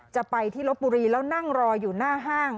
จะไปที่ลบบุรีแล้วนั่งรออยู่หน้าห้าง